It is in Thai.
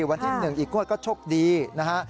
วันที่๑อีกงวดก็โชคดีนะฮะ